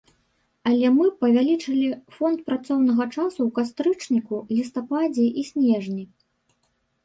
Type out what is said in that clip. Але мы павялічылі фонд працоўнага часу ў кастрычніку, лістападзе і снежні.